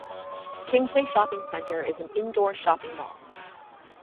Kingsway Shopping Centre is an indoor shopping mall.